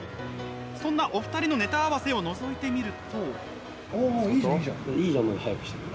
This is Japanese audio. そんなお二人のネタ合わせをのぞいてみると。